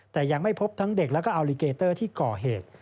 แต่ยังไม่พบทั้งเด็กแล้วก็อัลลิเกเตอร์ที่ก่อเหตุ